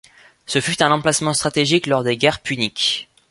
Ce fut un emplacement stratégique lors des Guerres puniques.